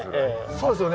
そうですよね？